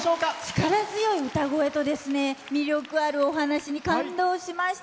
力強い歌声と魅力あるお話に感動しました。